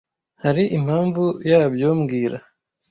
Hari impamvu yabyo mbwira